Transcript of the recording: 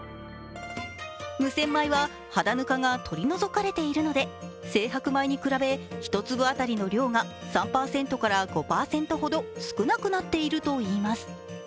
無洗米は肌ぬかが取り除かれているので、精白米に比べ１粒当たりの量が３％から５％ほど少なくなっているといいます。